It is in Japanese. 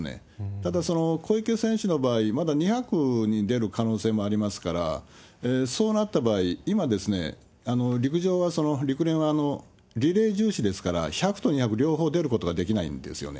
ただ、小池選手の場合、まだ２００に出る可能性もありますから、そうなった場合、今、陸上は、陸連はリレー重視ですから、１００と２００、両方出ることができないんですよね。